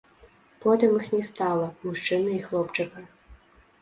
Потым іх не стала, мужчыны і хлопчыка.